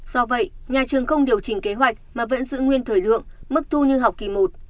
do vậy nhà trường không điều chỉnh kế hoạch mà vẫn giữ nguyên thời lượng mức thu như học kỳ một